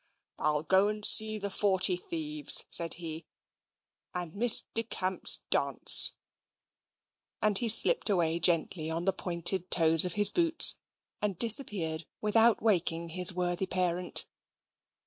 "I'll go and see the Forty Thieves," said he, "and Miss Decamp's dance"; and he slipped away gently on the pointed toes of his boots, and disappeared, without waking his worthy parent.